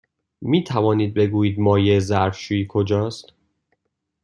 می توانید بگویید مایع ظرف شویی کجاست؟